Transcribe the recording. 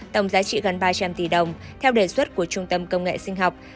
tổng giá trị gần ba trăm linh tỷ đồng theo đề xuất của trung tâm công nghệ sinh học